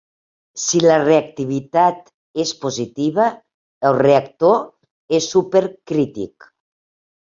Si la reactivitat és positiva, el reactor és supercrític.